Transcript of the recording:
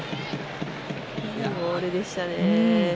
いいボールでしたね。